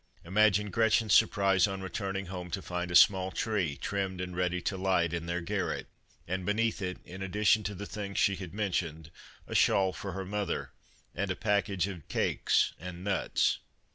Imagine Gretchen's surprise on re turning home to find a small tree, trimmed and ready to light, in their garret, and beneath it, in ad dition to the things she had mentioned, a shawl for her mother and a package of cakes and nuts.